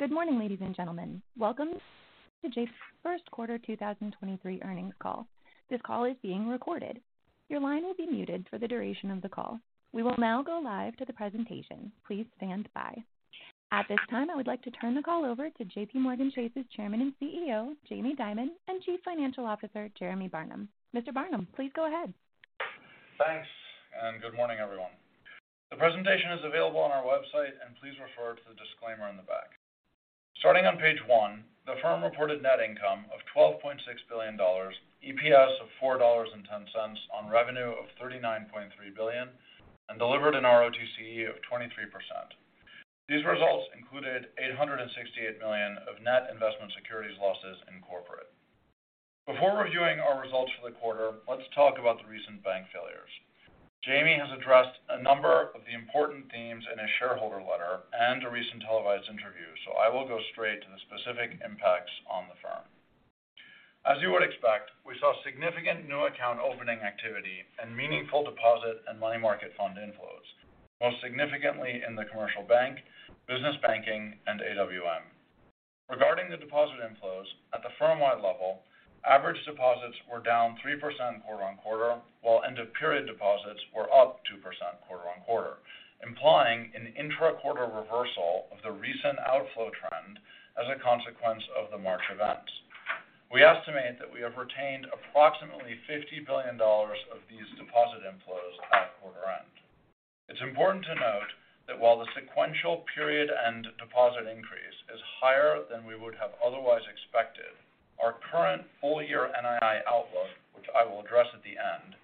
Good morning, ladies and gentlemen. Welcome to 1st quarter 2023 earnings call. This call is being recorded. Your line will be muted for the duration of the call. We will now go live to the presentation. Please stand by. At this time, I would like to turn the call over to JPMorgan Chase's Chairman and CEO, Jamie Dimon, and Chief Financial Officer, Jeremy Barnum. Mr. Barnum, please go ahead. Thanks, and good morning, everyone. The presentation is available on our website, and please refer to the disclaimer on the back. Starting on page one, the firm reported net income of $12.6 billion, EPS of $4.10 on revenue of $39.3 billion, and delivered an ROTCE of 23%. These results included $868 million of net investment securities losses in corporate. Before reviewing our results for the quarter, let's talk about the recent bank failures. Jamie has addressed a number of the important themes in his shareholder letter and a recent televised interview, so I will go straight to the specific impacts on the firm. As you would expect, we saw significant new account opening activity and meaningful deposit and money market fund inflows, most significantly in the commercial bank, business banking, and AWM. Regarding the deposit inflows at the firm-wide level, average deposits were down 3% quarter-on-quarter, while end-of-period deposits were up 2% quarter-on-quarter, implying an intra-quarter reversal of the recent outflow trend as a consequence of the March events. We estimate that we have retained approximately $50 billion of these deposit inflows at quarter end. It's important to note that while the sequential period end deposit increase is higher than we would have otherwise expected, our current full year NII outlook, which I will address at the end,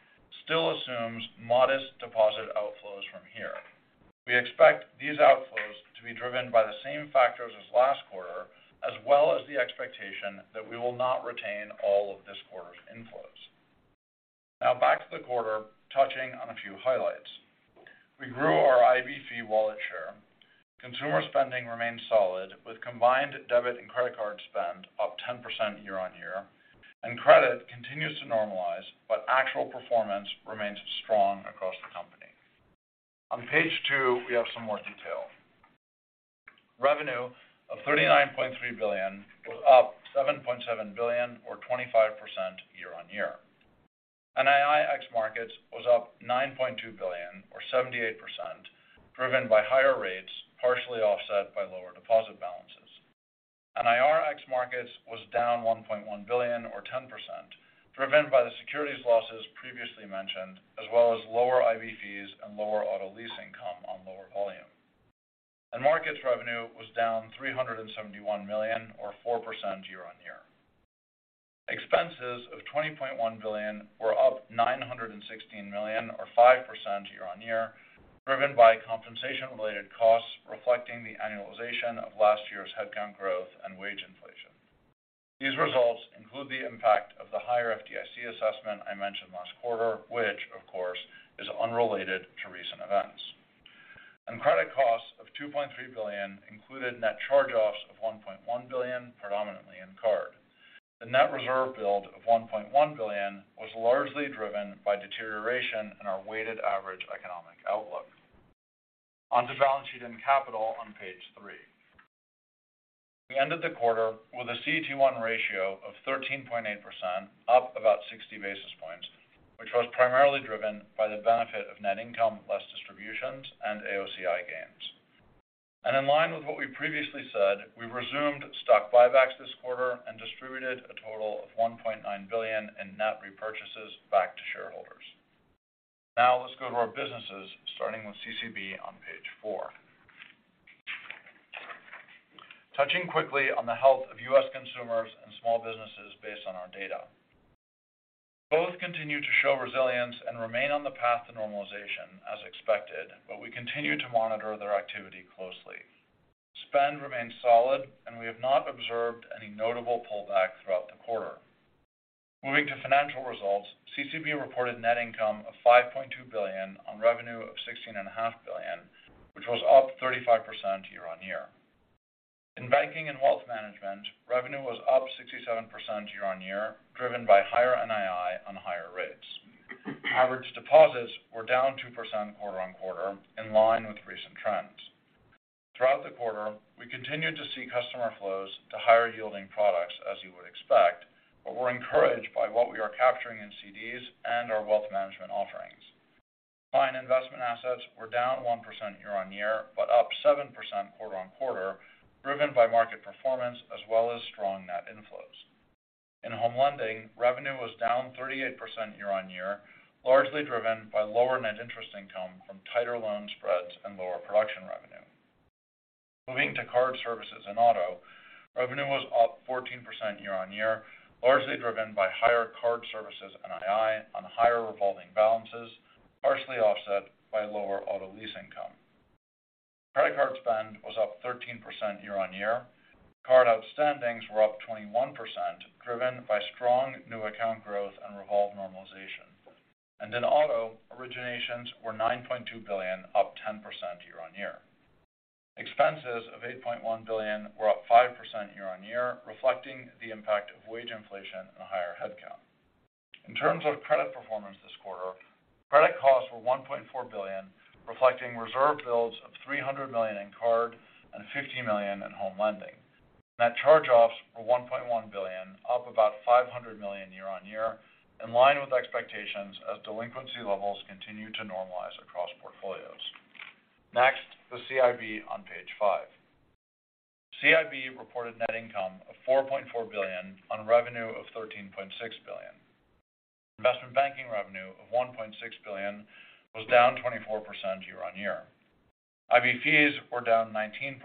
still assumes modest deposit outflows from here. We expect these outflows to be driven by the same factors as last quarter, as well as the expectation that we will not retain all of this quarter's inflows. Back to the quarter, touching on a few highlights. We grew our IB fee wallet share. Consumer spending remains solid with combined debit and credit card spend up 10% year-on-year. Credit continues to normalize, but actual performance remains strong across the company. On page two, we have some more detail. Revenue of $39.3 billion was up $7.7 billion or 25% year-on-year. NII ex. Markets was up $9.2 billion or 78%, driven by higher rates, partially offset by lower deposit balances. NII ex. Markets was down $1.1 billion or 10%, driven by the securities losses previously mentioned, as well as lower IB fees and lower auto lease income on lower volume. Markets revenue was down $371 million or 4% year-on-year. Expenses of $20.1 billion were up $916 million or 5% year-over-year, driven by compensation related costs reflecting the annualization of last year's headcount growth and wage inflation. These results include the impact of the higher FDIC assessment I mentioned last quarter, which of course, is unrelated to recent events. Credit costs of $2.3 billion included net charge-offs of $1.1 billion, predominantly in card. The net reserve build of $1.1 billion was largely driven by deterioration in our weighted average economic outlook. Onto balance sheet and capital on page three. We ended the quarter with a CET1 ratio of 13.8%, up about 60 basis points, which was primarily driven by the benefit of net income less distributions and AOCI gains. In line with what we previously said, we resumed stock buybacks this quarter and distributed a total of $1.9 billion in net repurchases back to shareholders. Let's go to our businesses, starting with CCB on page four. Touching quickly on the health of U.S. consumers and small businesses based on our data. Both continue to show resilience and remain on the path to normalization as expected, but we continue to monitor their activity closely. Spend remains solid, and we have not observed any notable pullback throughout the quarter. Moving to financial results, CCB reported net income of $5.2 billion on revenue of $16.5 billion, which was up 35% year-on-year. In banking and wealth management, revenue was up 67% year-on-year, driven by higher NII on higher rates. Average deposits were down 2% quarter-on-quarter in line with recent trends. Throughout the quarter, we continued to see customer flows to higher yielding products as you would expect, but we're encouraged by what we are capturing in CDs and our wealth management offerings. Client investment assets were down 1% year-on-year, but up 7% quarter-on-quarter, driven by market performance as well as strong net inflows. In home lending, revenue was down 38% year-on-year, largely driven by lower net interest income from tighter loan spreads and lower production revenue. Moving to card services and auto, revenue was up 14% year-on-year, largely driven by higher card services NII on higher revolving balances, partially offset by lower auto lease income. Credit card spend was up 13% year-on-year. Card outstandings were up 21%, driven by strong new account growth and revolve normalization. In auto, originations were $9.2 billion, up 10% year-on-year. Expenses of $8.1 billion were up 5% year-on-year, reflecting the impact of wage inflation and a higher headcount. In terms of credit performance this quarter, credit costs were $1.4 billion, reflecting reserve builds of $300 million in card and $50 million in home lending. Net charge-offs were $1.1 billion, up about $500 million year-on-year, in line with expectations as delinquency levels continue to normalize across portfolios. Next, the CIB on page five. CIB reported net income of $4.4 billion on revenue of $13.6 billion. Investment banking revenue of $1.6 billion was down 24% year-on-year. IB fees were down 19%.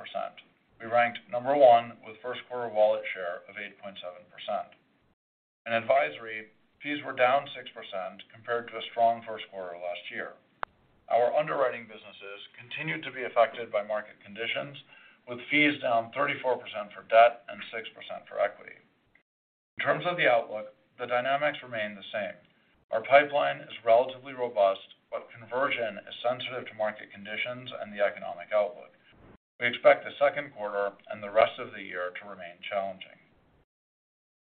We ranked number one with first quarter wallet share of 8.7%. In advisory, fees were down 6% compared to a strong first quarter last year. Our underwriting businesses continued to be affected by market conditions, with fees down 34% for debt and 6% for equity. In terms of the outlook, the dynamics remain the same. Our pipeline is relatively robust, but conversion is sensitive to market conditions and the economic outlook. We expect the second quarter and the rest of the year to remain challenging.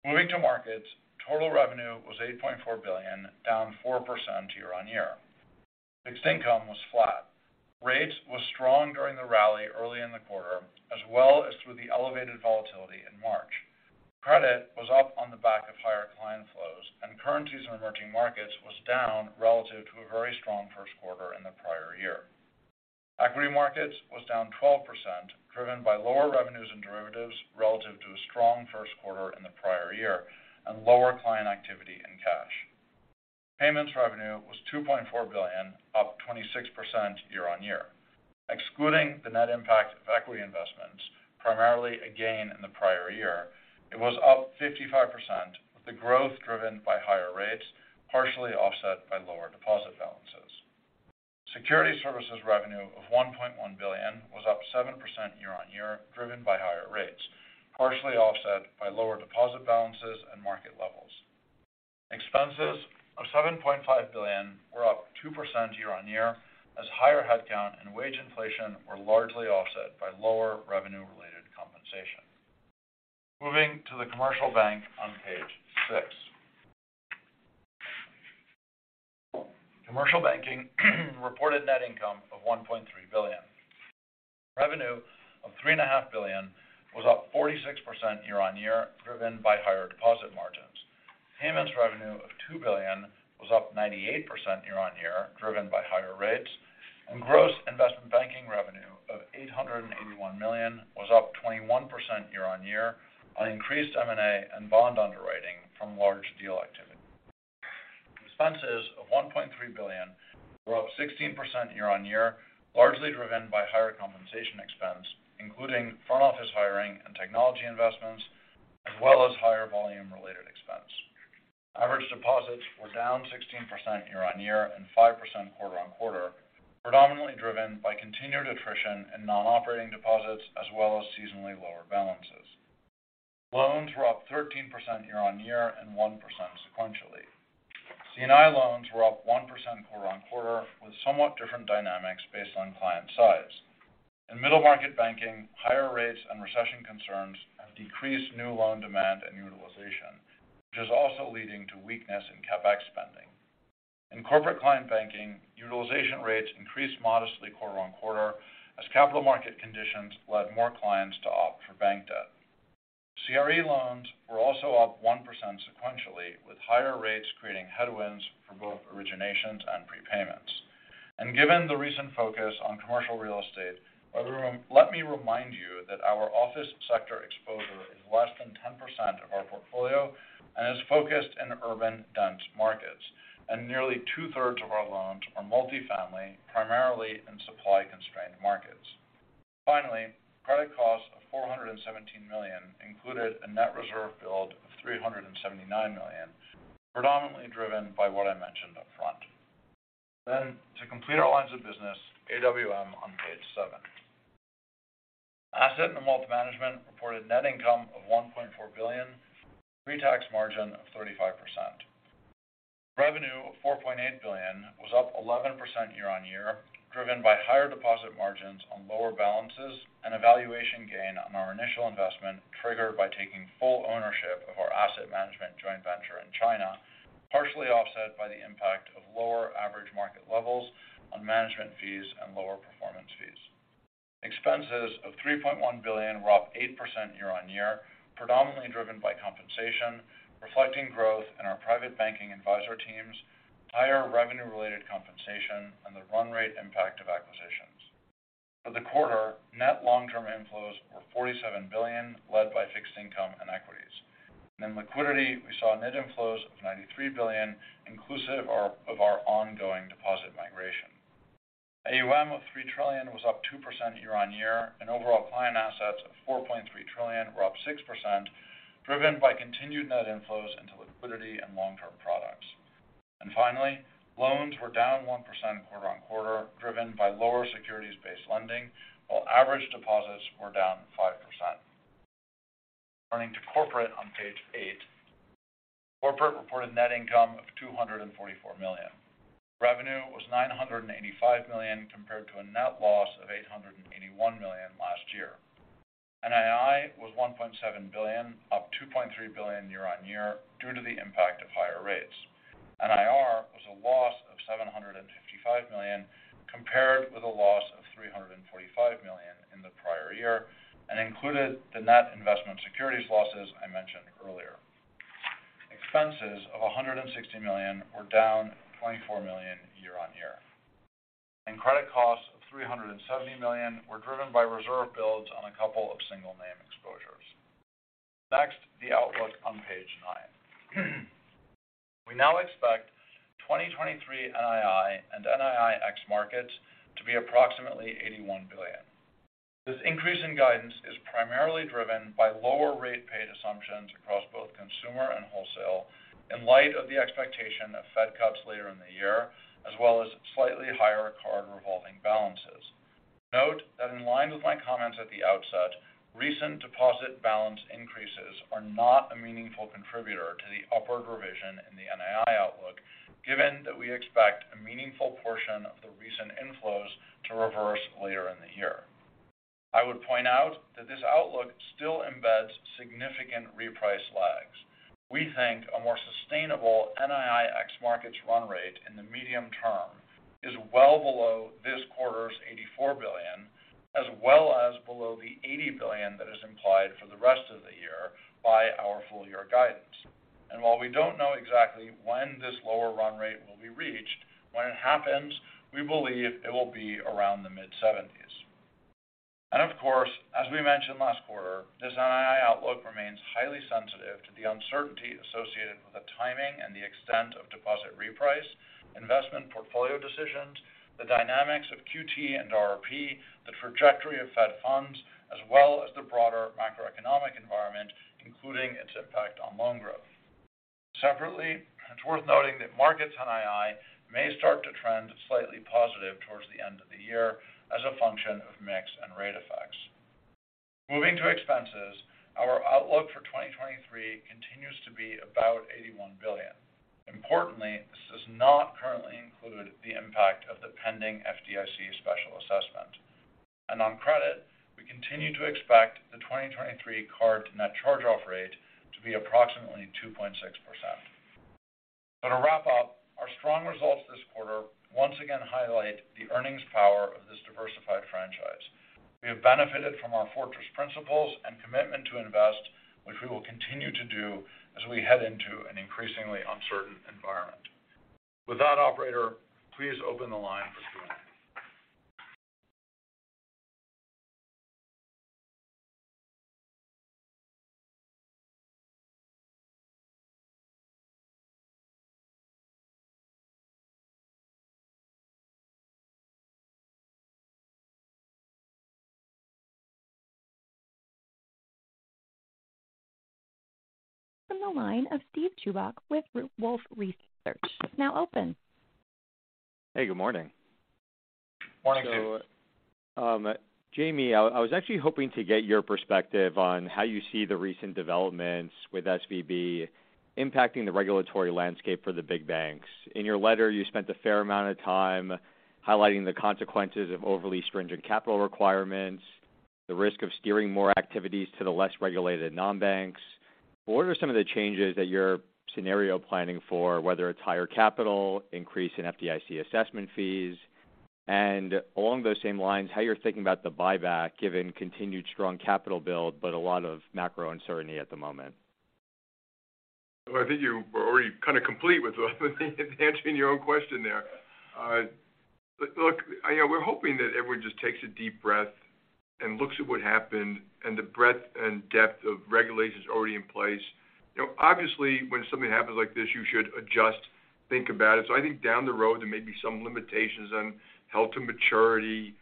Moving to markets, total revenue was $8.4 billion, down 4% year-over-year. Fixed income was flat. Rates was strong during the rally early in the quarter, as well as through the elevated volatility in March. Credit was up on the back of higher client flows, currencies in emerging markets was down relative to a very strong first quarter in the prior year. Equity markets was down 12%, driven by lower revenues and derivatives relative to a strong first quarter in the prior year, and lower client activity in cash. Payments revenue was $2.4 billion, up 26% year-on-year. Excluding the net impact of equity investments, primarily a gain in the prior year, it was up 55%, with the growth driven by higher rates, partially offset by lower deposit balances. Security services revenue of $1.1 billion was up 7% year-on-year, driven by higher rates, partially offset by lower deposit balances and market levels. Expenses of $7.5 billion were up 2% year-on-year as higher headcount and wage inflation were largely offset by lower revenue-related compensation. Moving to the commercial bank on page six. Commercial banking reported net income of $1.3 billion. Revenue of $3.5 billion was up 46% year-on-year, driven by higher deposit margins. Payments revenue of $2 billion was up 98% year-on-year, driven by higher rates. Gross investment banking revenue of $881 million was up 21% year-on-year on increased M&A and bond underwriting from large deal activity. Expenses of $1.3 billion were up 16% year-on-year, largely driven by higher compensation expense, including front office hiring and technology investments, as well as higher volume-related expense. Average deposits were down 16% year-on-year and 5% quarter-on-quarter, predominantly driven by continued attrition in non-operating deposits as well as seasonally lower balances. Loans were up 13% year-on-year and 1% sequentially. C&I loans were up 1% quarter-on-quarter, with somewhat different dynamics based on client size. In middle market banking, higher rates and recession concerns have decreased new loan demand and utilization, which is also leading to weakness in CapEx spending. In corporate client banking, utilization rates increased modestly quarter-on-quarter as capital market conditions led more clients to opt for bank debt. CRE loans were also up 1% sequentially, with higher rates creating headwinds for both originations and prepayments. Given the recent focus on commercial real estate, let me remind you that our office sector exposure is less than 10% of our portfolio and is focused in urban dense markets, and nearly 2/3 of our loans are multifamily, primarily in supply-constrained markets. Finally, credit costs of $417 million included a net reserve build of $379 million, predominantly driven by what I mentioned up front. To complete our lines of business, AWM on page seven. Asset and wealth management reported net income of $1.4 billion, pre-tax margin of 35%. Revenue of $4.8 billion was up 11% year-on-year, driven by higher deposit margins on lower balances and a valuation gain on our initial investment triggered by taking full ownership of our asset management joint venture in China, partially offset by the impact of lower average market levels on management fees and lower performance fees. Expenses of $3.1 billion were up 8% year-on-year, predominantly driven by compensation, reflecting growth in our private banking advisor teams, higher revenue-related compensation, and the run rate impact of acquisitions. For the quarter, net long-term inflows were $47 billion, led by fixed income and equities. In liquidity, we saw net inflows of $93 billion, inclusive of our ongoing deposit migration. AUM of $3 trillion was up 2% year-on-year, overall client assets of $4.3 trillion were up 6%, driven by continued net inflows into liquidity and long-term products. Finally, loans were down 1% quarter-on-quarter, driven by lower securities-based lending, while average deposits were down 5%. Turning to corporate on page eight. Corporate reported net income of $244 million. Revenue was $985 million compared to a net loss of $881 million. Was $1.7 billion, up $2.3 billion year-on-year due to the impact of higher rates. NIR was a loss of $755 million, compared with a loss of $345 million in the prior year, and included the net investment securities losses I mentioned earlier. Expenses of $160 million were down $24 million year-on-year. Credit costs of $370 million were driven by reserve builds on a couple of single name exposures. Next, the outlook on page nine. We now expect 2023 NII and NII ex. Markets to be approximately $81 billion. This increase in guidance is primarily driven by lower rate paid assumptions across both consumer and wholesale in light of the expectation of Fed cuts later in the year, as well as slightly higher card revolving balances. Note that in line with my comments at the outset, recent deposit balance increases are not a meaningful contributor to the upward revision in the NII outlook, given that we expect a meaningful portion of the recent inflows to reverse later in the year. I would point out that this outlook still embeds significant reprice lags. We think a more sustainable NII ex. Markets run rate in the medium term is well below this quarter's $84 billion, as well as below the $80 billion that is implied for the rest of the year by our full year guidance. While we don't know exactly when this lower run rate will be reached, when it happens, we believe it will be around the mid-$70s billion. Of course, as we mentioned last quarter, this NII outlook remains highly sensitive to the uncertainty associated with the timing and the extent of deposit reprice, investment portfolio decisions, the dynamics of QT and RRP, the trajectory of Fed funds, as well as the broader macroeconomic environment, including its impact on loan growth. Separately, it's worth noting that markets NII may start to trend slightly positive towards the end of the year as a function of mix and rate effects. Moving to expenses, our outlook for 2023 continues to be about $81 billion. Importantly, this does not currently include the impact of the pending FDIC special assessment. On credit, we continue to expect the 2023 card net charge-off rate to be approximately 2.6%. To wrap up, our strong results this quarter once again highlight the earnings power of this diversified franchise. We have benefited from our fortress principles and commitment to invest, which we will continue to do as we head into an increasingly uncertain environment. With that, operator, please open the line for Q&A. From the line of Steven Chubak with Wolfe Research is now open. Hey, good morning. Morning, Steve. Jamie, I was actually hoping to get your perspective on how you see the recent developments with SVB impacting the regulatory landscape for the big banks. In your letter, you spent a fair amount of time highlighting the consequences of overly stringent capital requirements, the risk of steering more activities to the less regulated non-banks. What are some of the changes that you're scenario planning for, whether it's higher capital, increase in FDIC assessment fees? Along those same lines, how you're thinking about the buyback, given continued strong capital build, but a lot of macro uncertainty at the moment. I think you were already kind of complete with answering your own question there. Look, you know, we're hoping that everyone just takes a deep breath and looks at what happened and the breadth and depth of regulations already in place. You know, obviously, when something happens like this, you should adjust, think about it. I think down the road, there may be some limitations on held to maturity,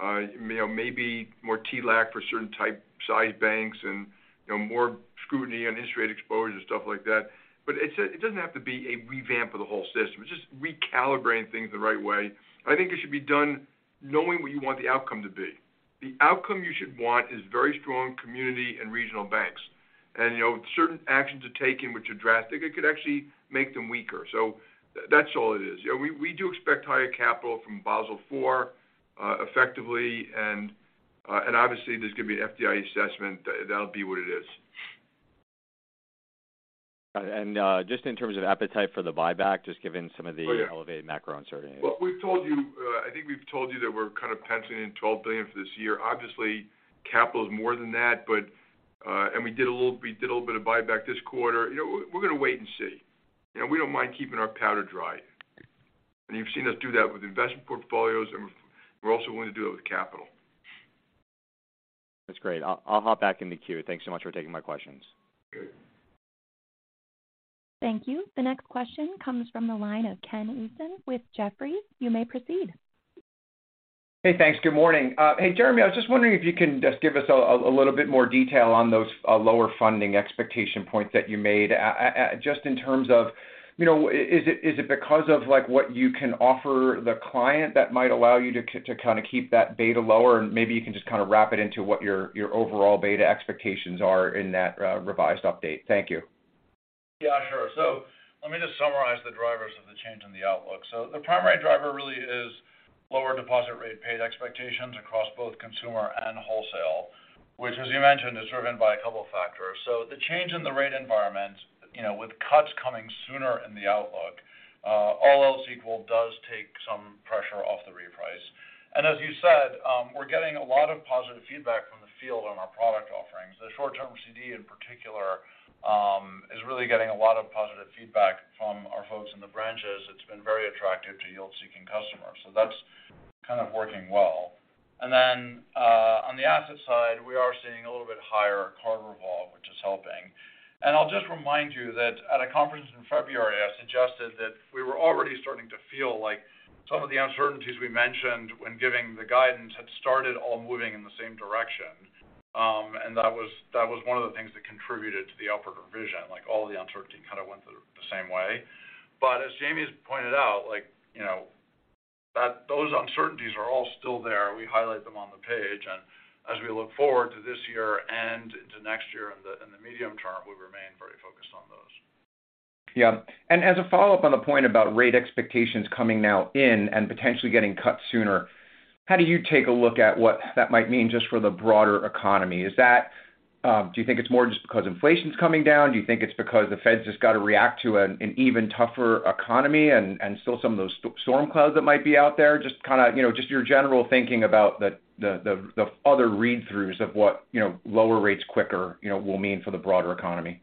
you know, maybe more TLAC for certain type size banks and, you know, more scrutiny on interest rate exposure, stuff like that. It doesn't have to be a revamp of the whole system. It's just recalibrating things the right way. I think it should be done knowing what you want the outcome to be. The outcome you should want is very strong community and regional banks. You know, certain actions are taken which are drastic. It could actually make them weaker. That's all it is. You know, we do expect higher capital from Basel IV, effectively, and obviously, there's going to be an FDIC assessment. That'll be what it is. Just in terms of appetite for the buyback, just given. Oh, yeah. Elevated macro uncertainty. Look, we've told you, I think we've told you that we're kind of penciling in $12 billion for this year. Obviously, capital is more than that, but, and we did a little bit of buyback this quarter. You know, we're going to wait and see. You know, we don't mind keeping our powder dry. You've seen us do that with investment portfolios, and we're also going to do it with capital. That's great. I'll hop back in the queue. Thanks so much for taking my questions. Okay. Thank you. The next question comes from the line of Ken Usdin with Jefferies. You may proceed. Hey, thanks. Good morning. Hey, Jeremy, I was just wondering if you can just give us a little bit more detail on those lower funding expectation points that you made and just in terms of, you know, is it, is it because of like, what you can offer the client that might allow you to kind of keep that beta lower? Maybe you can just kind of wrap it into what your overall beta expectations are in that revised update. Thank you. Yeah, sure. Let me just summarize the drivers of the change in the outlook. The primary driver really is lower deposit rate paid expectations across both consumer and wholesale, which as you mentioned, is driven by a couple of factors. The change in the rate environment, you know, with cuts coming sooner in the outlook, all else equal does take some pressure off the reprice. As you said, we're getting a lot of positive feedback from the field on our product offerings. The short-term CD in particular, is really getting a lot of positive feedback from our folks in the branches. It's been very attractive to yield-seeking customers. That's kind of working well. On the asset side, we are seeing a little bit higher card revolve, which is helping. I'll just remind you that at a conference in February, I suggested that we were already starting to feel like some of the uncertainties we mentioned when giving the guidance had started all moving in the same direction. That was one of the things that contributed to the upward revision. Like, all the uncertainty kind of went the same way. As Jamie's pointed out, like, you know, that those uncertainties are all still there. We highlight them on the page. As we look forward to this year and into next year in the medium term, we remain very focused on those. Yeah. As a follow-up on the point about rate expectations coming now in and potentially getting cut sooner, how do you take a look at what that might mean just for the broader economy? Is that, do you think it's more just because inflation's coming down? Do you think it's because the Fed's just got to react to an even tougher economy and still some of those storm clouds that might be out there? Just kind of, you know, just your general thinking about the other read-throughs of what, you know, lower rates quicker, you know, will mean for the broader economy.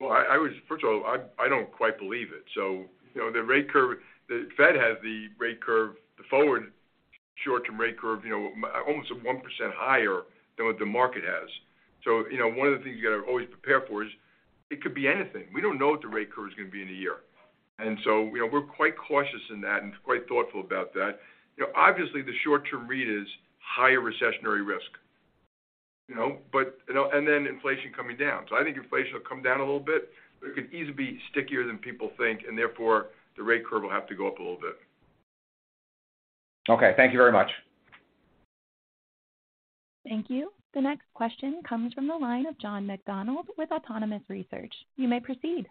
Well, first of all, I don't quite believe it. You know, the Fed has the rate curve, the forward short-term rate curve, you know, almost 1% higher than what the market has. You know, one of the things you got to always prepare for is it could be anything. We don't know what the rate curve is going to be in a year. You know, we're quite cautious in that and quite thoughtful about that. You know, obviously the short-term read is higher recessionary risk, you know, but, you know, and then inflation coming down. I think inflation will come down a little bit. It could easily be stickier than people think, and therefore, the rate curve will have to go up a little bit. Okay. Thank you very much. Thank you. The next question comes from the line of John McDonald with Autonomous Research. You may proceed.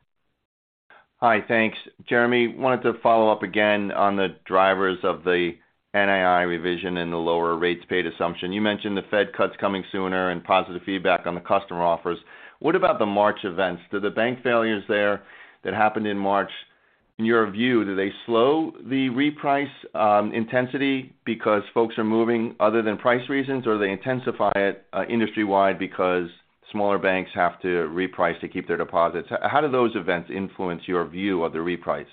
Hi. Thanks. Jeremy, wanted to follow up again on the drivers of the NII revision and the lower rates paid assumption. You mentioned the Fed cuts coming sooner and positive feedback on the customer offers. What about the March events? Do the bank failures there that happened in March, in your view, do they slow the reprice intensity because folks are moving other than price reasons, or they intensify it industry-wide because smaller banks have to reprice to keep their deposits? How do those events influence your view of the reprice?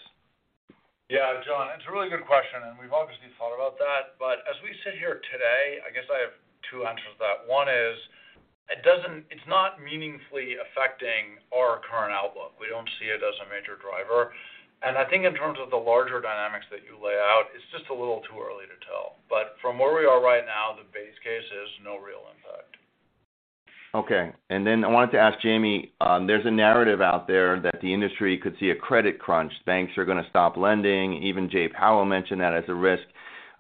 Yeah. John, it's a really good question, and we've obviously thought about that. As we sit here today, I guess I have two answers to that. One is it's not meaningfully affecting our current outlook. We don't see it as a major driver. I think in terms of the larger dynamics that you lay out, it's just a little too early to tell. From where we are right now, the base case is no real impact. Okay. Then I wanted to ask Jamie, there's a narrative out there that the industry could see a credit crunch. Banks are going to stop lending. Even Jay Powell mentioned that as a risk.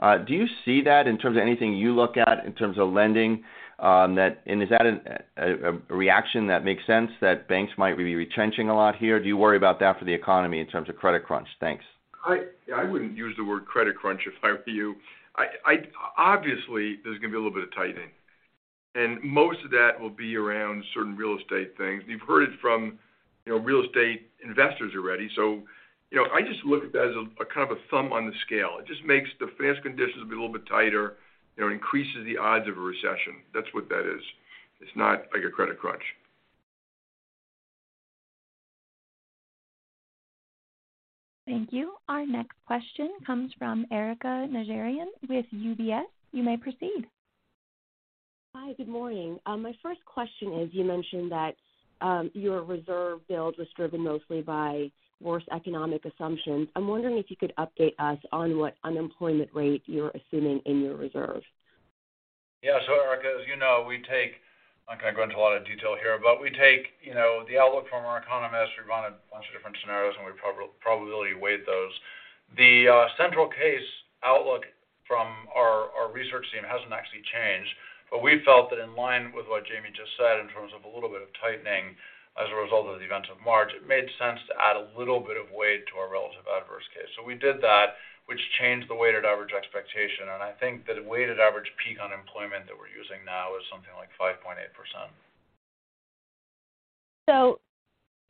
Do you see that in terms of anything you look at in terms of lending, that and is that a reaction that makes sense that banks might be retrenching a lot here? Do you worry about that for the economy in terms of credit crunch? Thanks. I wouldn't use the word credit crunch if I were you. I obviously, there's going to be a little bit of tightening. Most of that will be around certain real estate things. We've heard it from, you know, real estate investors already. You know, I just look at that as a kind of a thumb on the scale. It just makes the finance conditions be a little bit tighter. You know, increases the odds of a recession. That's what that is. It's not like a credit crunch. Thank you. Our next question comes from Erika Najarian with UBS. You may proceed. Hi. Good morning. My first question is, you mentioned that, your reserve build was driven mostly by worse economic assumptions. I'm wondering if you could update us on what unemployment rate you're assuming in your reserve. Yeah. Erika, as you know, I'm not going to go into a lot of detail here, but we take, you know, the outlook from our economists. We run a bunch of different scenarios, and we probability weight those. The central case outlook from our research team hasn't actually changed. We felt that in line with what Jamie just said in terms of a little bit of tightening as a result of the events of March, it made sense to add a little bit of weight to our relative adverse case. We did that, which changed the weighted average expectation. I think that a weighted average peak unemployment that we're using now is something like 5.8%.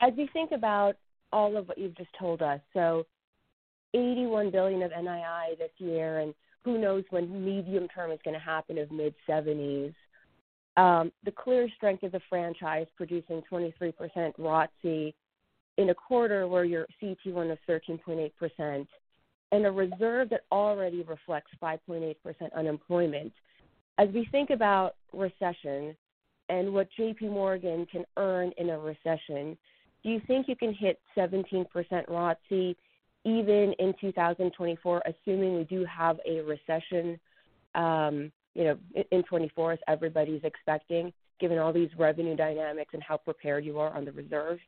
As we think about all of what you've just told us, so $81 billion of NII this year, and who knows when medium term is going to happen of mid-70s. The clear strength of the franchise producing 23% ROTCE in a quarter where your CET1 is 13.8% and a reserve that already reflects 5.8% unemployment. As we think about recession and what JPMorgan can earn in a recession, do you think you can hit 17% ROTCE even in 2024, assuming we do have a recession, you know, in 2024 as everybody's expecting, given all these revenue dynamics and how prepared you are on the reserve?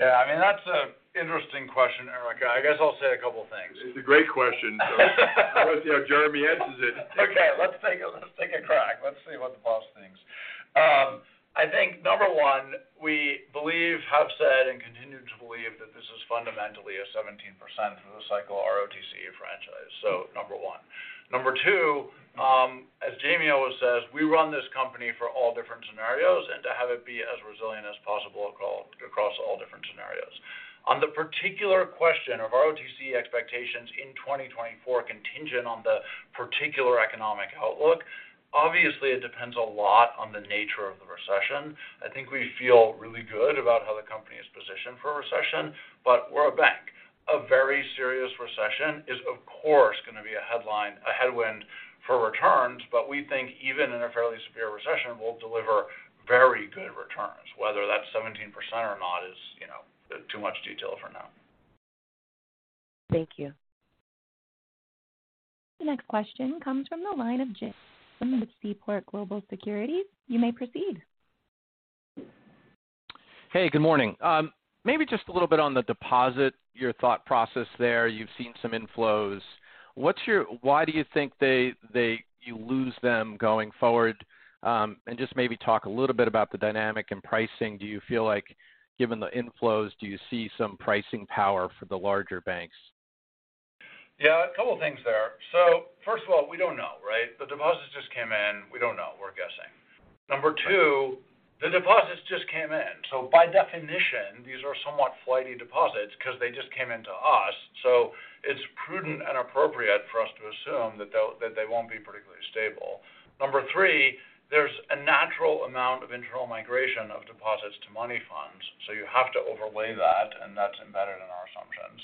Yeah, I mean, that's an interesting question, Erika. I guess I'll say a couple things. It's a great question. I want to see how Jeremy answers it. Let's take a crack. Let's see what the boss thinks. I think number one, we believe, have said, continue to believe that this is fundamentally a 17% through the cycle ROTCE franchise. Number one. Number two, as Jamie always says, we run this company for all different scenarios and to have it be as resilient as possible across all different scenarios. On the particular question of ROTCE expectations in 2024 contingent on the particular economic outlook, obviously it depends a lot on the nature of the recession. I think we feel really good about how the company is positioned for a recession, we're a bank. A very serious recession is, of course, going to be a headwind for returns. We think even in a fairly severe recession, we'll deliver very good returns. Whether that's 17% or not is, you know, too much detail for now. Thank you. The next question comes from the line of Jim Mitchell with Seaport Global Securities. You may proceed. Hey, good morning. Maybe just a little bit on the deposit, your thought process there. You've seen some inflows. Why do you think you lose them going forward? Just maybe talk a little bit about the dynamic in pricing. Do you feel like, given the inflows, do you see some pricing power for the larger banks? Yeah, a couple of things there. First of all, we don't know, right? The deposits just came in. We don't know. We're guessing. Number two, the deposits just came in. By definition, these are somewhat flighty deposits because they just came into us. It's prudent and appropriate for us to assume that they won't be particularly stable. Number three, there's a natural amount of internal migration of deposits to money funds. You have to overlay that, and that's embedded in our assumptions.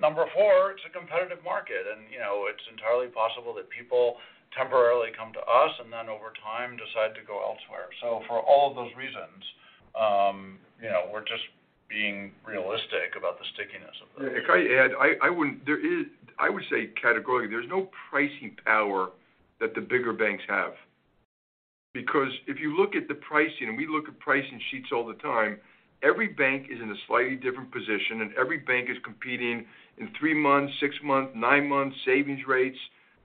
Number four, it's a competitive market. You know, it's entirely possible that people temporarily come to us and then over time decide to go elsewhere. For all of those reasons, you know, we're just being realistic about the stickiness of those. If I add, I wouldn't say categorically, there's no pricing power that the bigger banks have. Because if you look at the pricing, and we look at pricing sheets all the time, every bank is in a slightly different position, and every bank is competing in three-month, six-month, nine-month savings rates.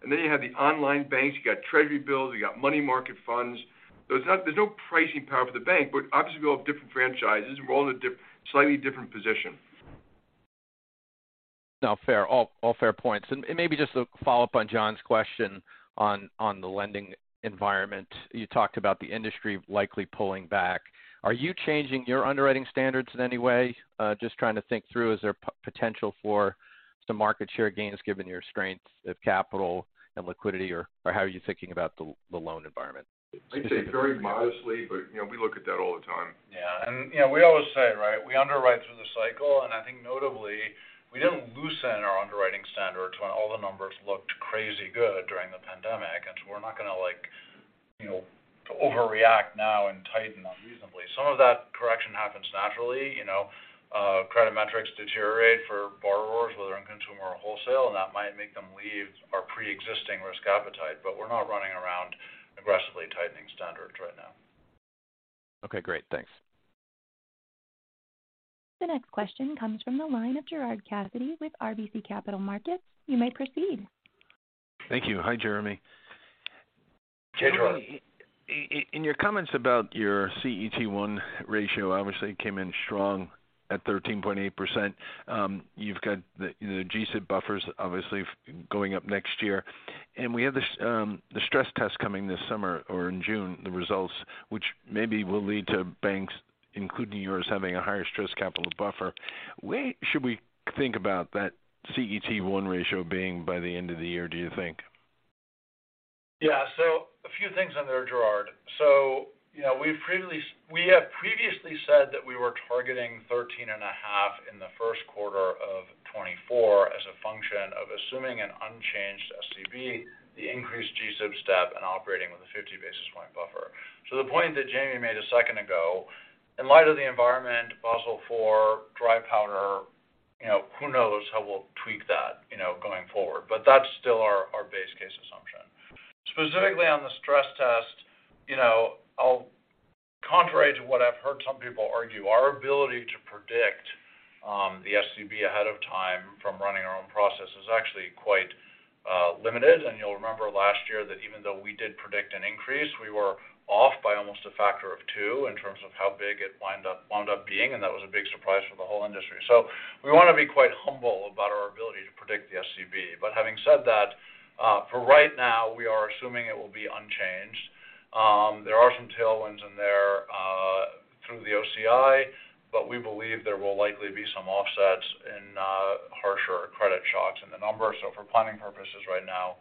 Then you have the online banks, you got Treasury bills, you got money market funds. There's no pricing power for the bank. Obviously, we all have different franchises. We're all in a slightly different position. No, fair. All fair points. Maybe just to follow up on John's question on the lending environment. You talked about the industry likely pulling back. Are you changing your underwriting standards in any way? Just trying to think through, is there potential for some market share gains given your strengths of capital and liquidity, or how are you thinking about the loan environment? I'd say very modestly, but, you know, we look at that all the time. Yeah. You know, we always say, right, we underwrite through the cycle. I think notably, we didn't loosen our underwriting standards when all the numbers looked crazy good during the pandemic. We're not going to like, you know, to overreact now and tighten unreasonably. Some of that correction happens naturally. You know, credit metrics deteriorate for borrowers, whether in consumer or wholesale, and that might make them leave our preexisting risk appetite. We're not running around aggressively tightening standards right now. Okay, great. Thanks. The next question comes from the line of Gerard Cassidy with RBC Capital Markets. You may proceed. Thank you. Hi, Jeremy. Hey, Gerard. In your comments about your CET1 ratio obviously came in strong at 13.8%. You've got the GSIB buffers obviously going up next year. We have this, the stress test coming this summer or in June, the results which maybe will lead to banks, including yours, having a higher stress capital buffer. Where should we think about that CET1 ratio being by the end of the year, do you think? Yeah. A few things in there, Gerard. You know, we have previously said that we were targeting 13.5 in the first quarter of 2024 as a function of assuming an unchanged SCB, the increased GSIB step, and operating with a 50 basis point buffer. To the point that Jamie made a second ago, in light of the environment, Basel IV, dry powder, you know, who knows how we'll tweak that, you know, going forward. That's still our base case assumption. Specifically on the stress test, you know, contrary to what I've heard some people argue, our ability to predict the SCB ahead of time from running our own process is actually quite limited. You'll remember last year that even though we did predict an increase, we were off by almost a factor of two in terms of how big it wound up being, and that was a big surprise for the whole industry. We want to be quite humble about our ability to predict the SCB. Having said that, for right now, we are assuming it will be unchanged. There are some tailwinds in there, through the OCI, but we believe there will likely be some offsets in harsher credit shocks in the number. For planning purposes right now,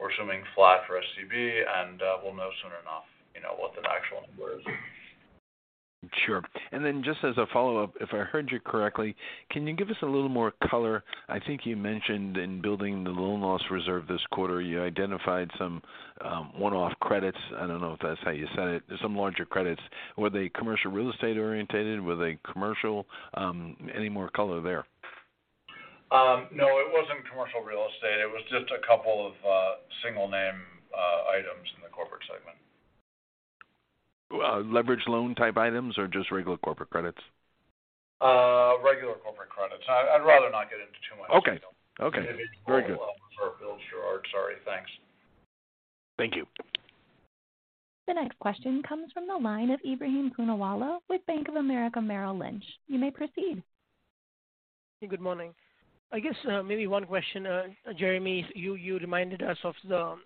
we're assuming flat for SCB, and we'll know soon enough, you know, what the actual number is. Sure. Just as a follow-up, if I heard you correctly, can you give us a little more color? I think you mentioned in building the loan loss reserve this quarter, you identified some one-off credits. I don't know if that's how you said it. Some larger credits. Were they commercial real estate orientated? Were they commercial? Any more color there? No, it wasn't commercial real estate. It was just a couple of single name items in the corporate segment. Leverage loan type items or just regular corporate credits? Regular corporate credits. I'd rather not get into too much detail. Okay. Okay. Very good. Sorry. Thanks. Thank you. The next question comes from the line of Ebrahim Poonawala with Bank of America Merrill Lynch. You may proceed. Good morning. I guess, maybe one question, Jeremy. You reminded us of the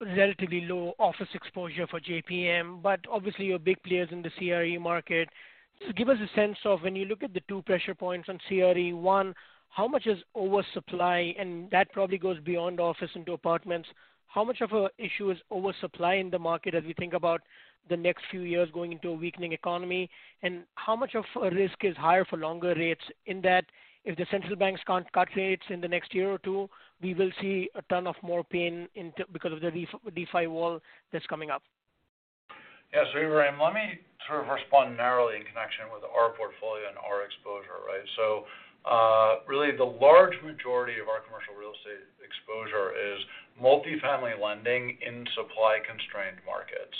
relatively low office exposure for JPM, but obviously you're big players in the CRE market. Give us a sense of when you look at the two pressure points on CRE, one, how much is oversupply? That probably goes beyond office into apartments. How much of a issue is oversupply in the market as we think about the next few years going into a weakening economy? How much of a risk is higher for longer rates in that if the central banks can't cut rates in the next year or two, we will see a ton of more pain because of the refi wall that's coming up? Yes, Ebrahim. Let me sort of respond narrowly in connection with our portfolio and our exposure, right? Really the large majority of our commercial real estate exposure is multi-family lending in supply constrained markets.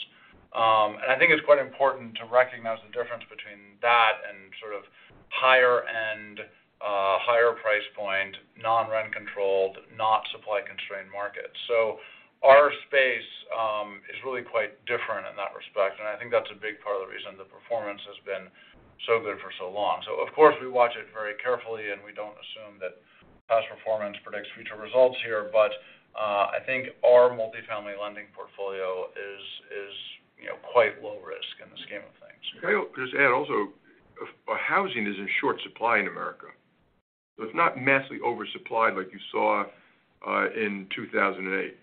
And I think it's quite important to recognize the difference between that and sort of higher end, higher price point, non-rent controlled, not supply constrained markets. Our space is really quite different in that respect, and I think that's a big part of the reason the performance has been so good for so long. Of course, we watch it very carefully, and we don't assume that past performance predicts future results here. I think our multifamily lending portfolio is, you know, quite low risk in the scheme of things. Can I just add also, housing is in short supply in America, so it's not massively oversupplied like you saw, in 2008.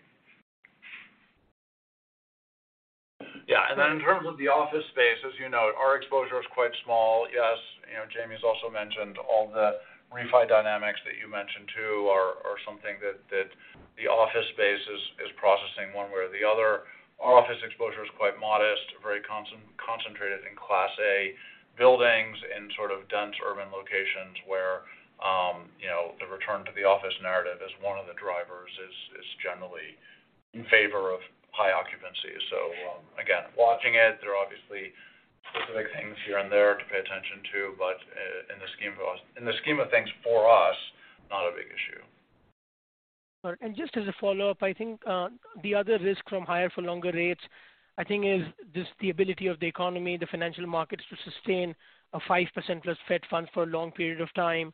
Yeah. In terms of the office space, as you note, our exposure is quite small. Yes. You know, Jamie's also mentioned all the refi dynamics that you mentioned too are something that the office space is processing one way or the other. Our office exposure is quite modest, very concentrated in class A buildings in sort of dense urban locations where, you know, the return to the office narrative is one of the drivers, is generally in favor of high occupancy. Again, watching it, there are obviously specific things here and there to pay attention to, but in the scheme of things for us, not a big issue. All right. Just as a follow-up, I think, the other risk from higher for longer rates, I think is just the ability of the economy, the financial markets, to sustain a 5% plus Fed funds for a long period of time.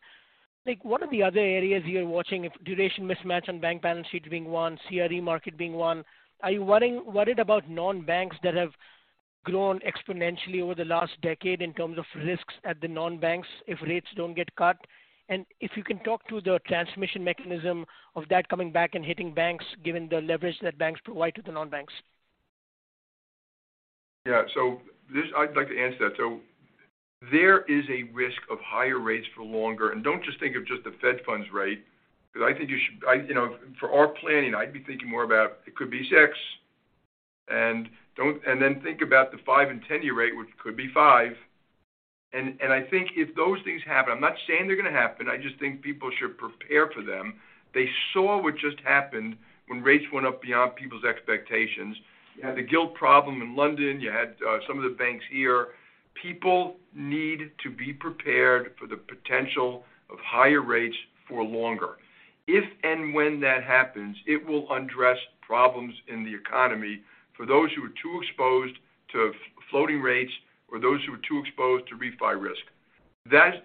Like, what are the other areas you're watching if duration mismatch on bank balance sheets being one, CRE market being one? Are you worried about non-banks that have grown exponentially over the last decade in terms of risks at the non-banks if rates don't get cut? If you can talk to the transmission mechanism of that coming back and hitting banks, given the leverage that banks provide to the non-banks. Yeah. I'd like to answer that. Don't just think of just the Fed funds rate, because I think you should, I, you know, for our planning, I'd be thinking more about it could be six and then think about the five and 10-year rate, which could be five. I think if those things happen, I'm not saying they're gonna happen, I just think people should prepare for them. They saw what just happened when rates went up beyond people's expectations. You had the gilt problem in London, you had some of the banks here. People need to be prepared for the potential of higher rates for longer. If and when that happens, it will undress problems in the economy for those who are too exposed to floating rates or those who are too exposed to refi risk.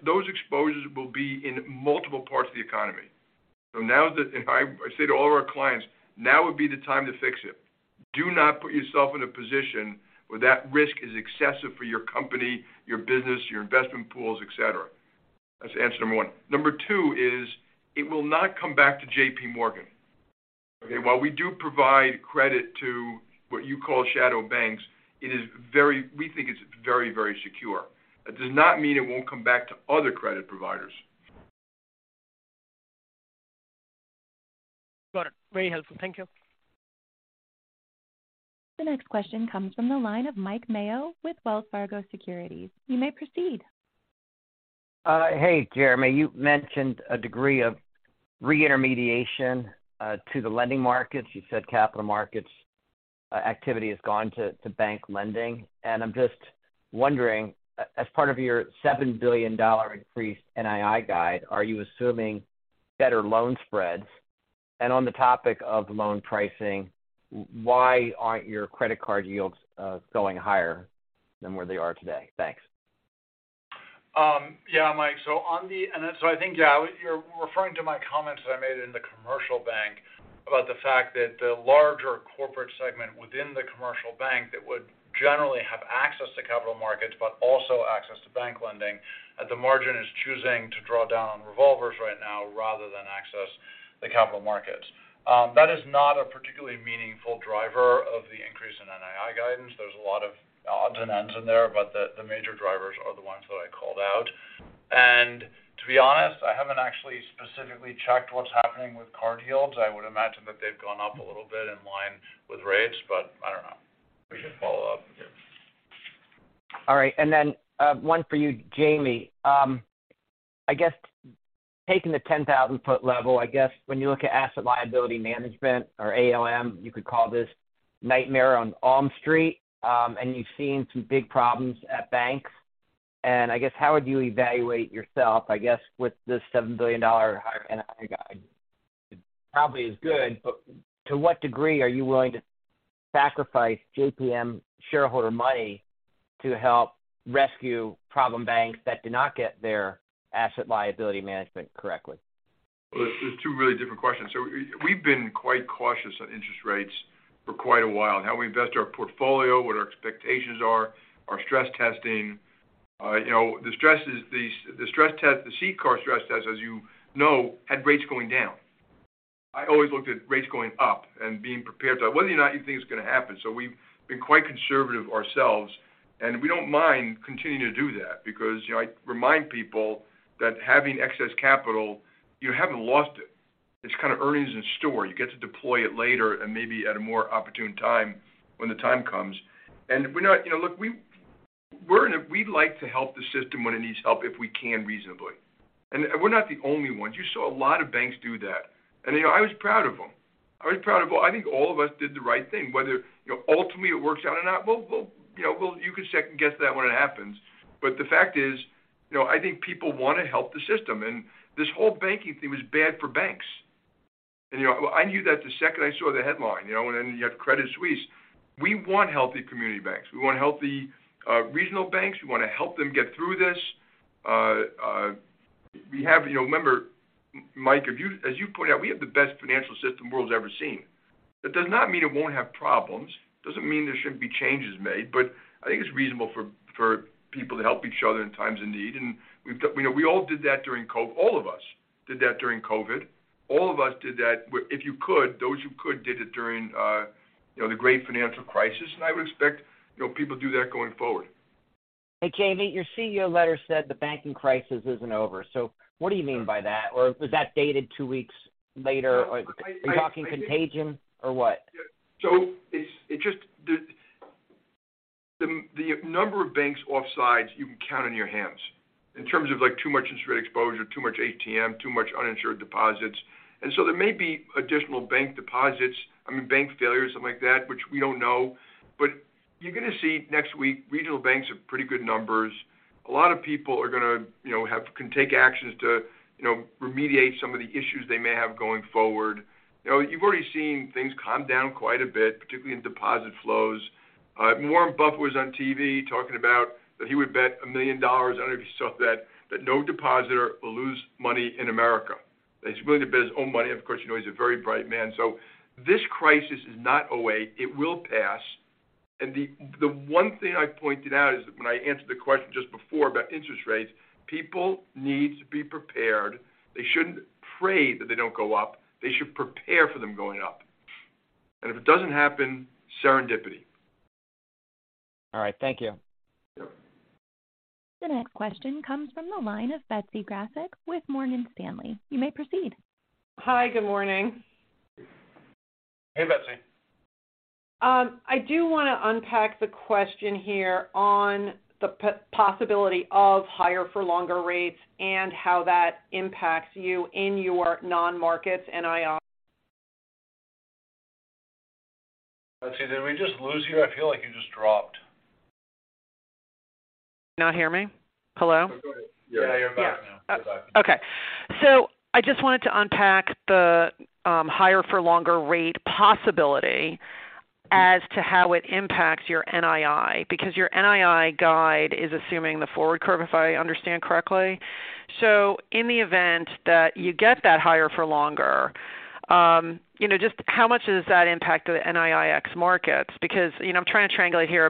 Those exposures will be in multiple parts of the economy. I say to all of our clients, now would be the time to fix it. Do not put yourself in a position where that risk is excessive for your company, your business, your investment pools, et cetera. That's answer number one. Number two is it will not come back to JPMorgan. Okay? While we do provide credit to what you call shadow banks, we think it's very, very secure. That does not mean it won't come back to other credit providers. Got it. Very helpful. Thank you. The next question comes from the line of Mike Mayo with Wells Fargo Securities. You may proceed. Hey, Jeremy. You mentioned a degree of reintermediation to the lending markets. You said capital markets activity has gone to bank lending. I'm just wondering, as part of your $7 billion increased NII guide, are you assuming better loan spreads? On the topic of loan pricing, why aren't your credit card yields going higher than where they are today? Thanks. Yeah, Mike. I think, yeah, you're referring to my comments that I made in the commercial bank about the fact that the larger corporate segment within the commercial bank that would generally have access to capital markets, but also access to bank lending at the margin is choosing to draw down on revolvers right now rather than access the capital markets. That is not a particularly meaningful driver of the increase in NII guidance. There's a lot of odds and ends in there, but the major drivers are the ones that I called out. To be honest, I haven't actually specifically checked what's happening with card yields. I would imagine that they've gone up a little bit in line with rates, but I don't know. We should follow that up. All right. One for you, Jamie. I guess taking the 10,000 foot level, I guess when you look at asset liability management or ALM, you could call this nightmare on Elm Street, and you've seen some big problems at banks. I guess how would you evaluate yourself, I guess, with the $7 billion higher NI guide? Probably is good, but to what degree are you willing to sacrifice JPM shareholder money to help rescue problem banks that do not get their asset liability management correctly? Well, there's two really different questions. We've been quite cautious on interest rates for quite a while. How we invest our portfolio, what our expectations are, our stress testing. You know, the stress test, the CCAR stress test, as you know, had rates going down. I always looked at rates going up and being prepared for that, whether or not you think it's going to happen. We've been quite conservative ourselves, and we don't mind continuing to do that because, you know, I remind people that having excess capital, you haven't lost it. It's kind of earnings in store. You get to deploy it later and maybe at a more opportune time when the time comes. We're not you know, look, we like to help the system when it needs help, if we can reasonably. We're not the only ones. You saw a lot of banks do that. You know, I was proud of them. I was proud of all. I think all of us did the right thing. Whether, you know, ultimately it works out or not, we'll, you know, we'll you can second-guess that when it happens. The fact is, you know, I think people want to help the system. This whole banking thing was bad for banks. You know, I knew that the second I saw the headline, you know, and then you have Credit Suisse. We want healthy community banks. We want healthy regional banks. We want to help them get through this. We have you know, remember, Mike, if you as you pointed out, we have the best financial system world's ever seen. That does not mean it won't have problems. It doesn't mean there shouldn't be changes made. I think it's reasonable for people to help each other in times of need. We've got you know, all of us did that during COVID. All of us did that. If you could, those who could, did it during, you know, the great financial crisis. I would expect, you know, people do that going forward. Hey, Jamie, your CEO letter said the banking crisis isn't over. What do you mean by that? Was that dated two weeks later? Are you talking contagion or what? It's just the number of banks offsides you can count on your hands in terms of like too much interest rate exposure, too much ATM, too much uninsured deposits. There may be additional bank deposits, I mean, bank failures, something like that, which we don't know. You're going to see next week regional banks have pretty good numbers. A lot of people are going to, you know, can take actions to, you know, remediate some of the issues they may have going forward. You've already seen things calm down quite a bit, particularly in deposit flows. Warren Buffett was on TV talking about that he would bet $1 million on himself that no depositor will lose money in America. He's willing to bet his own money. Of course, you know, he's a very bright man. This crisis is not away. It will pass. The one thing I pointed out is when I answered the question just before about interest rates, people need to be prepared. They shouldn't pray that they don't go up. They should prepare for them going up. If it doesn't happen, serendipity. All right. Thank you. Yep. The next question comes from the line of Betsy Graseck with Morgan Stanley. You may proceed. Hi. Good morning. Hey, Betsy. I do want to unpack the question here on the possibility of higher for longer rates and how that impacts you in your non-markets NII. Betsy, did we just lose you? I feel like you just dropped. Can you hear me? Hello? Yeah, you're back now. I just wanted to unpack the higher for longer rate possibility as to how it impacts your NII, because your NII guide is assuming the forward curve, if I understand correctly. In the event that you get that higher for longer, you know, just how much does that impact the NII ex. Markets? You know, I'm trying to triangulate here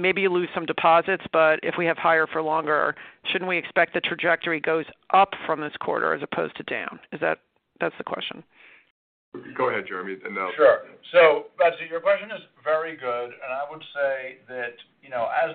about maybe you lose some deposits, but if we have higher for longer, shouldn't we expect the trajectory goes up from this quarter as opposed to down? That's the question. Go ahead, Jeremy, and then I'll- Sure. Betsy Graseck, your question is very good. I would say that, you know, as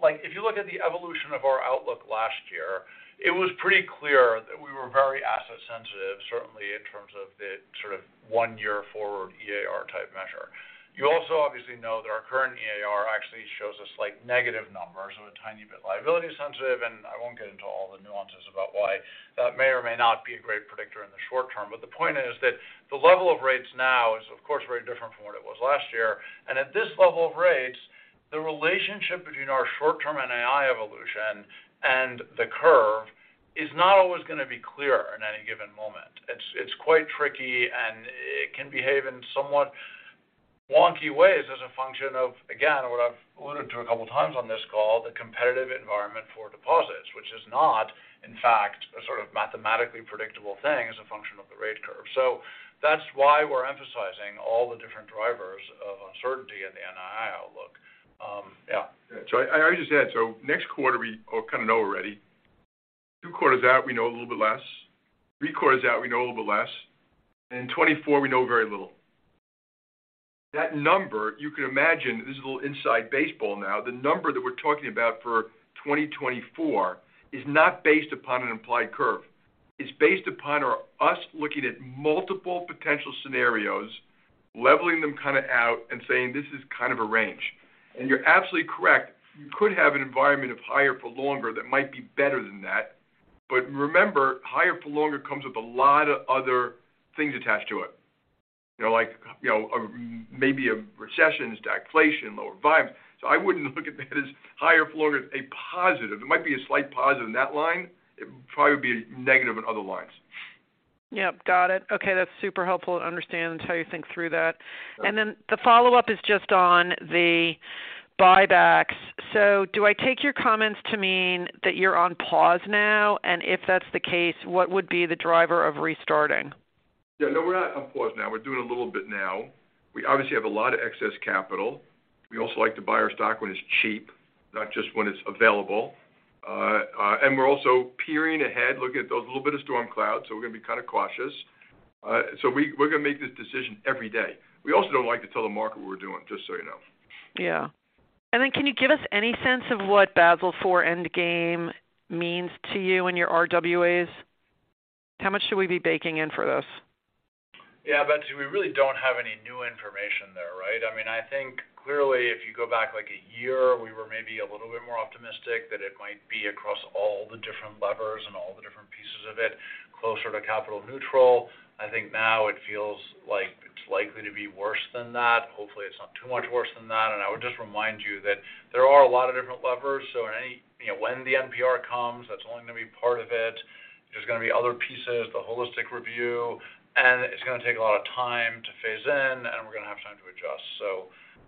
like, if you look at the evolution of our outlook last year, it was pretty clear that we were very asset sensitive, certainly in terms of the sort of one-year forward EAR type measure. You also obviously know that our current EAR actually shows us like negative numbers. A tiny bit liability sensitive, and I won't get into all the nuances about why that may or may not be a great predictor in the short term. The point is that the level of rates now is of course very different from what it was last year. At this level of rates, the relationship between our short-term NII evolution and the curve is not always going to be clear in any given moment. It's quite tricky, and it can behave in somewhat wonky ways as a function of, again, what I've alluded to a couple times on this call, the competitive environment for deposits, which is not, in fact, a sort of mathematically predictable thing as a function of the rate curve. That's why we're emphasizing all the different drivers of uncertainty in the NII outlook. Yeah. I just add, next quarter we kind of know already. Two quarters out, we know a little bit less. Three quarters out, we know a little bit less. In 2024, we know very little. That number, you can imagine this is a little inside baseball now. The number that we're talking about for 2024 is not based upon an implied curve. Is based upon us looking at multiple potential scenarios, leveling them kind of out and saying, "This is kind of a range." You're absolutely correct. You could have an environment of higher for longer that might be better than that. Remember, higher for longer comes with a lot of other things attached to it. You know, like, you know, maybe a recession, stagflation, lower vibes. I wouldn't look at that as higher for longer as a positive. It might be a slight positive in that line. It probably would be negative in other lines. Yep, got it. Okay, that's super helpful to understand how you think through that. The follow-up is just on the buybacks. Do I take your comments to mean that you're on pause now? If that's the case, what would be the driver of restarting? We're not on pause now. We're doing a little bit now. We obviously have a lot of excess capital. We also like to buy our stock when it's cheap, not just when it's available. We're also peering ahead, looking at those little bit of storm clouds, we're gonna be kind of cautious. We, we're gonna make this decision every day. We also don't like to tell the market what we're doing, just so you know. Yeah. Then can you give us any sense of what Basel IV endgame means to you and your RWAs? How much should we be baking in for this? Betsy Graseck, we really don't have any new information there, right? I mean, I think clearly if you go back, like, one year, we were maybe a little bit more optimistic that it might be across all the different levers and all the different pieces of it, closer to capital neutral. I think now it feels like it's likely to be worse than that. Hopefully, it's not too much worse than that. I would just remind you that there are a lot of different levers, so in any, you know, when the NPR comes, that's only gonna be part of it. There's gonna be other pieces, the holistic review, and it's gonna take a lot of time to phase in, and we're gonna have time to adjust.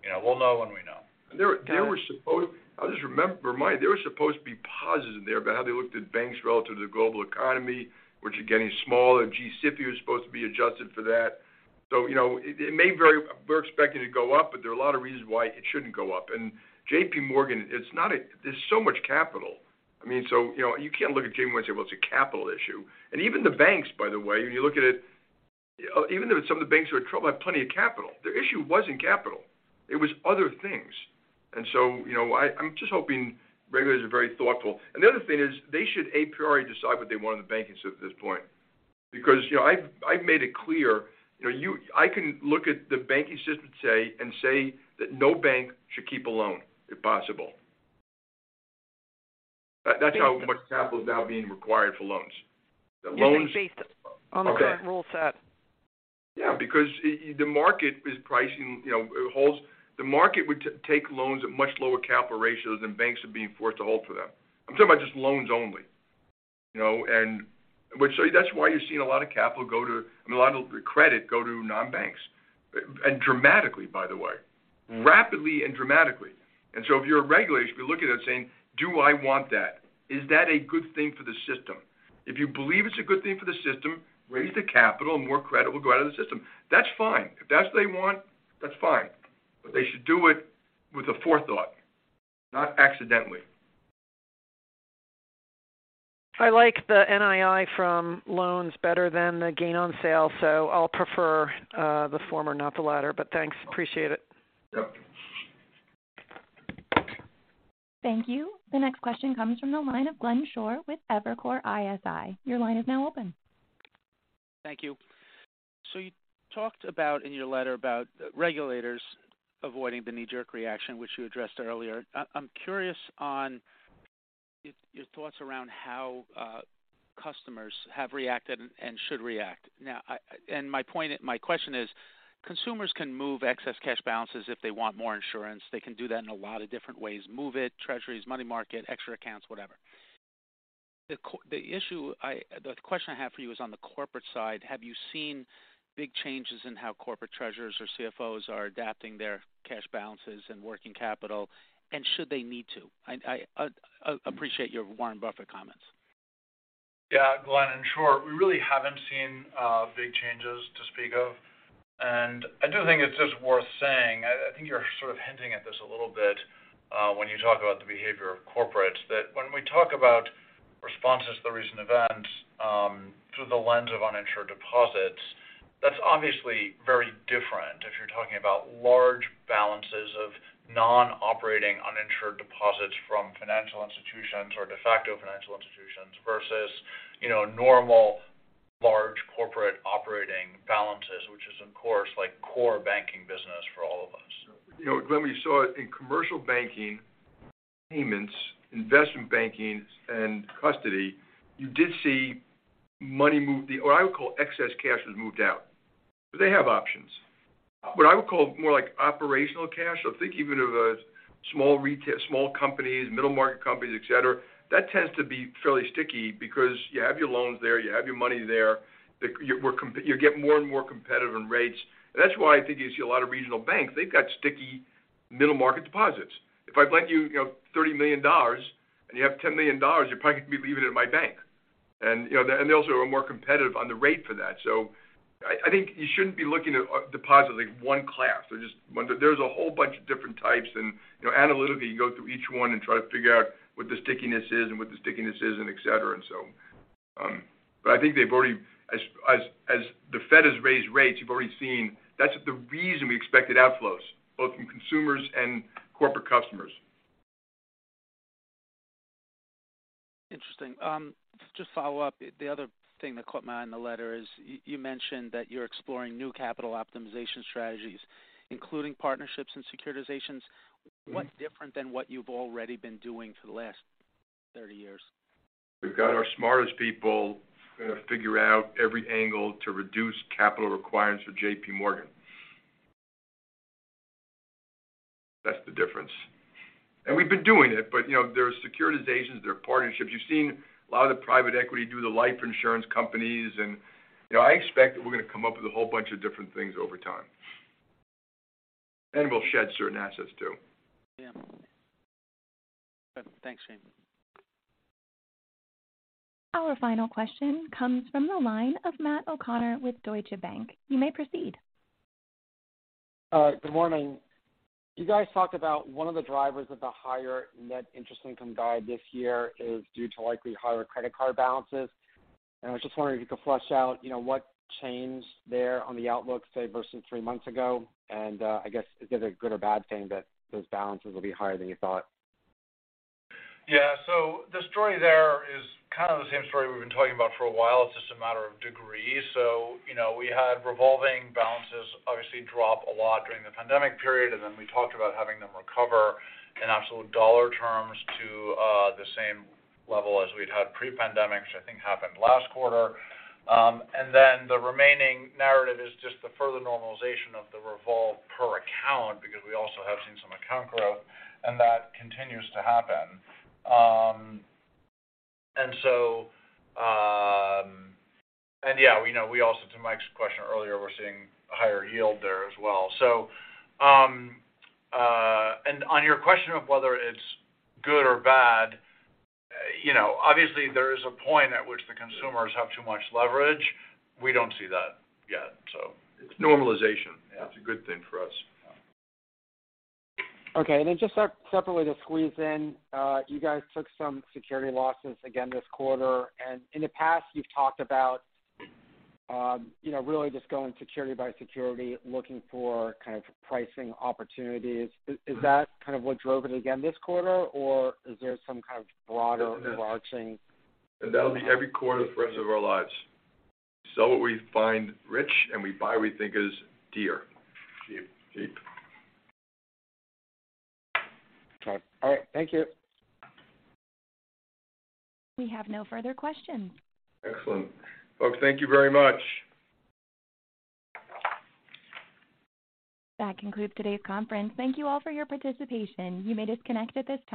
You know, we'll know when we know. They were supposed to be positive there about how they looked at banks relative to the global economy, which are getting smaller. GCIB is supposed to be adjusted for that. You know, we're expecting to go up, but there are a lot of reasons why it shouldn't go up. JPMorgan, there's so much capital. I mean, so, you know, you can't look at JPMorgan and say, "Well, it's a capital issue." Even the banks, by the way, when you look at it, even though some of the banks who are in trouble have plenty of capital. Their issue wasn't capital. It was other things. You know, I'm just hoping regulators are very thoughtful. The other thing is they should a priori decide what they want in the banking system at this point. You know, I've made it clear, I can look at the banking system today and say that no bank should keep a loan if possible. That's how much capital is now being required for loans. The loans- Yes, based on the current rule set. Yeah, because the market is pricing, you know, it holds. The market would take loans at much lower capital ratios than banks are being forced to hold for them. I'm talking about just loans only, you know. That's why you're seeing a lot of capital go to, I mean, a lot of the credit go to non-banks, and dramatically, by the way. Rapidly and dramatically. If you're a regulator, you should be looking at it and saying, "Do I want that? Is that a good thing for the system?" If you believe it's a good thing for the system, raise the capital, and more credit will go out of the system. That's fine. If that's what they want, that's fine. They should do it with a forethought, not accidentally. I like the NII from loans better than the gain on sale. I'll prefer the former, not the latter. Thanks. Appreciate it. Yep. Thank you. The next question comes from the line of Glenn Schorr with Evercore ISI. Your line is now open. Thank you. You talked about, in your letter about regulators avoiding the knee-jerk reaction, which you addressed earlier. I'm curious on your thoughts around how customers have reacted and should react. My question is, consumers can move excess cash balances if they want more insurance. They can do that in a lot of different ways, move it, treasuries, money market, extra accounts, whatever. The question I have for you is on the corporate side. Have you seen big changes in how corporate treasurers or CFOs are adapting their cash balances and working capital, and should they need to? I appreciate your Warren Buffett comments. Yeah. Glenn, in short, we really haven't seen big changes to speak of. I do think it's just worth saying, I think you're sort of hinting at this a little bit, when you talk about the behavior of corporates, that when we talk about responses to the recent events, through the lens of uninsured deposits, that's obviously very different. If you're talking about large balances of non-operating uninsured deposits from financial institutions or de facto financial institutions versus, you know, normal large corporate operating balances, which is, of course, like, core banking business for all of us. You know, Glenn, when you saw it in commercial banking payments, investment banking, and custody, you did see money move, or I would call excess cash was moved out, but they have options. What I would call more like operational cash. Think even of a small retail, small companies, middle-market companies, et cetera, that tends to be fairly sticky because you have your loans there, you have your money there. You're getting more and more competitive in rates. That's why I think you see a lot of regional banks, they've got sticky middle-market deposits. If I lend you know, $30 million and you have $10 million, you're probably gonna be leaving it in my bank. You know, and they also are more competitive on the rate for that. I think you shouldn't be looking at deposits like one class. There's a whole bunch of different types and, you know, analytically, you go through each one and try to figure out what the stickiness is and et cetera and so on. I think As the Fed has raised rates, you've already seen that's the reason we expected outflows, both from consumers and corporate customers. Interesting. Just follow up. The other thing that caught my eye in the letter is you mentioned that you're exploring new capital optimization strategies, including partnerships and securitizations. What's different than what you've already been doing for the last 30 years? We've got our smartest people, gonna figure out every angle to reduce capital requirements for JPMorgan. That's the difference. We've been doing it, but, you know, there are securitizations, there are partnerships. You've seen a lot of the private equity do the life insurance companies and, you know, I expect that we're gonna come up with a whole bunch of different things over time. We'll shed certain assets too. Yeah. Thanks, Jamie. Our final question comes from the line of Matt O'Connor with Deutsche Bank. You may proceed. Good morning. You guys talked about one of the drivers of the higher net interest income guide this year is due to likely higher credit card balances. I was just wondering if you could flush out, you know, what changed there on the outlook, say, versus three months ago. I guess is it a good or bad thing that those balances will be higher than you thought? The story there is kind of the same story we've been talking about for a while. It's just a matter of degree. You know, we had revolving balances obviously drop a lot during the pandemic period, we talked about having them recover in absolute dollar terms to the same level as we'd had pre-pandemic, which I think happened last quarter. The remaining narrative is just the further normalization of the revolve per account because we also have seen some account growth, and that continues to happen. You know, we also, to Mike's question earlier, we're seeing a higher yield there as well. On your question of whether it's good or bad, you know, obviously there is a point at which the consumers have too much leverage. We don't see that yet, so. It's normalization. Yeah. It's a good thing for us. Okay. Just separately to squeeze in, you guys took some security losses again this quarter. In the past, you've talked about, you know, really just going security by security, looking for kind of pricing opportunities. Is that kind of what drove it again this quarter, or is there some kind of broader overarching... That'll be every quarter for rest of our lives. Sell what we find rich, and we buy what we think is dear. Cheap. Cheap. Okay. All right. Thank you. We have no further questions. Excellent. Folks, thank you very much. That concludes today's conference. Thank you all for your participation. You may disconnect at this time.